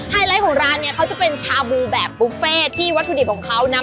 ไลท์ของร้านเนี่ยเขาจะเป็นชาบูแบบบุฟเฟ่ที่วัตถุดิบของเขานะ